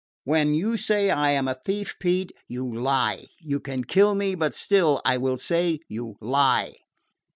"When you say I am a thief, Pete, you lie. You can kill me, but still I will say you lie."